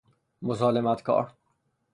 مسالمت کار